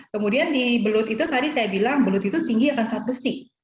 kemudian di belut itu tadi saya bilang belut itu tinggi akan sangat besi